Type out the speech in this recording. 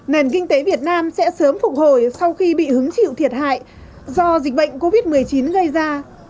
nền kinh tế việt nam sẽ sớm phục hồi sau khi bị hứng chịu thiệt hại do dịch bệnh covid một mươi chín gây ra